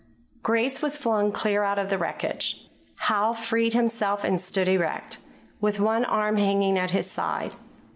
Grace was flung clear of the wreckage. Howe freed himself and stood erect, with one arm hanging at his side.